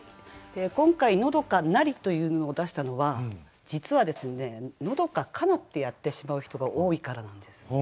今回「長閑なり」というのを出したのは実はですね「長閑かな」ってやってしまう人が多いからなんです。